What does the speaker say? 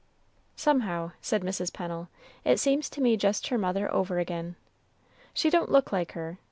"Somehow," said Mrs. Pennel, "it seems to me just her mother over again. She don't look like her.